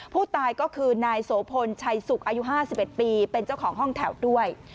ผู้ตายก็คือนายโสพลชัยสุขอายุ๕๑ปีเป็นเจ้าของห้องแถวด้วย